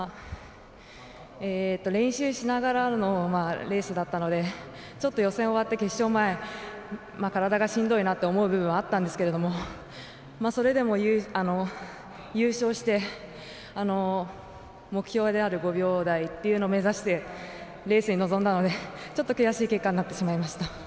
練習しながらのレースだったので予選終わって決勝前体がしんどいなと思う部分もあったんですけどそれでも優勝して目標である５秒台っていうのを目指して、レースに臨んだのでちょっと悔しい結果になってしまいました。